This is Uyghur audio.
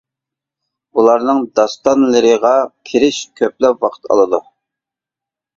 بۇلارنىڭ داستانلىرىغا كىرىش كۆپلەپ ۋاقىت ئالىدۇ.